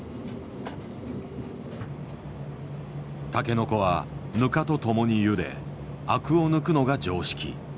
タケノコはぬかと共にゆでアクを抜くのが常識。